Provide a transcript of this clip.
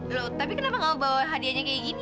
loh tapi kenapa gak bawa hadianya kayak gini